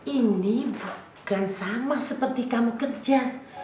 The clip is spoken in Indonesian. ini bukan sama seperti kamu kerja